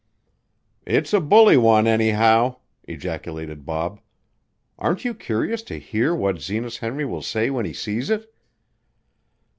"It is a bully one, anyhow!" ejaculated Bob. "Aren't you curious to hear what Zenas Henry will say when he sees it?"